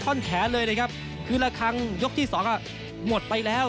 ท่อนแขนเลยนะครับคือละครั้งยกที่สองอ่ะหมดไปแล้ว